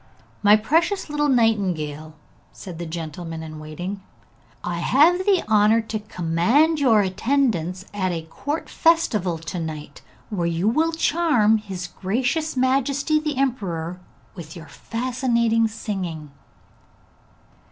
'My precious little nightingale,' said the gentleman in waiting, 'I have the honour to command your attendance at a court festival to night, where you will charm his gracious majesty the emperor with your fascinating singing.'